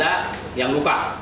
jadi tidak ada yang lupa